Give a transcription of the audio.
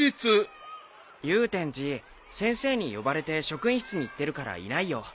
祐天寺先生に呼ばれて職員室に行ってるからいないよ。